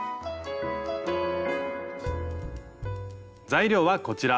材料はこちら。